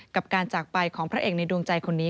กับการจากไปของพระเอกในดวงใจคนนี้